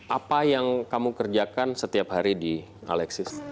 apa yang kamu kerjakan setiap hari di alexis